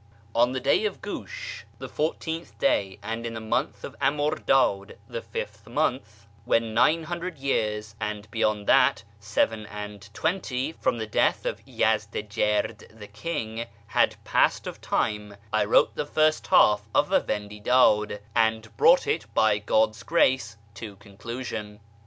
" On the day of Giish (the 14th day), and in the month of Amurdad (the; 5th month), "Ulion nine hundred years, and beyond that seven and seventy, From the death of Yazdijird the king Had passed of time, I wrote the first half of the Vendidad, And brought it, by God's grace, to conclusion."